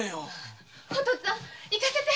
お父っつぁん行かせて！